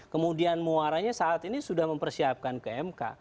kemudian muaranya saat ini sudah mempersiapkan ke mk